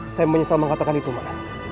saya menyesal mengatakan itu pak